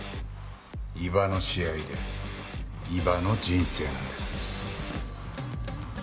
伊庭の試合で伊庭の人生なんです。